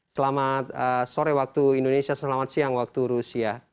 selamat sore waktu indonesia selamat siang waktu rusia